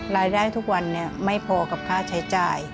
รายได้ทุกวันไม่พอกับค่าใช้จ่าย